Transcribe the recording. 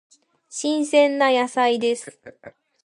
新鮮な野菜です。